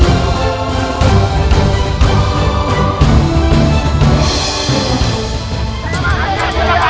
hidup yang mulia